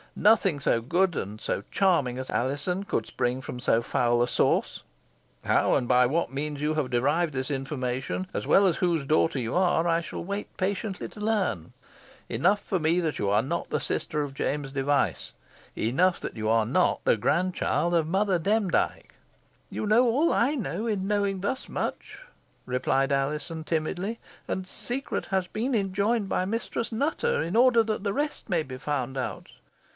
Nothing so good and charming as Alizon could spring from so foul a source. How and by what means you have derived this information, as well as whose daughter you are, I shall wait patiently to learn. Enough for me you are not the sister of James Device enough you are not the grandchild of Mother Demdike." "You know all I know, in knowing thus much," replied Alizon, timidly. "And secrecy has been enjoined by Mistress Nutter, in order that the rest may be found out.